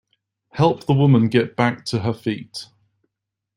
Help the woman get back to her feet.